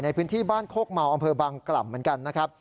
ในพึ่นที่บ้านโคกเมาอบังกลำเหมือนกัน